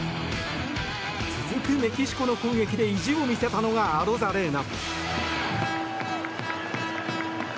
続くメキシコの攻撃で意地を見せたのがアロザレーナ。